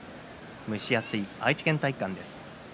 蒸し暑い、愛知県体育館です。